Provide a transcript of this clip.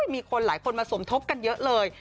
มีคนหลายคนมาสมทบกันเยอะเลย